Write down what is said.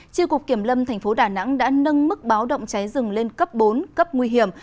tri cục kiểm lâm thành phố đà nẵng đã nâng mức báo động cháy rừng lên cấp bốn cấp nguy hiểm